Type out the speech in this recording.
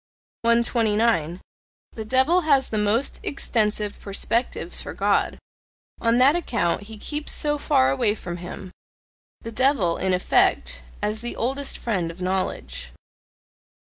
129. The devil has the most extensive perspectives for God; on that account he keeps so far away from him: the devil, in effect, as the oldest friend of knowledge.